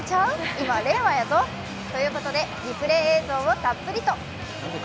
今は令和やぞ！ということで、リプレー映像をたっぷりと。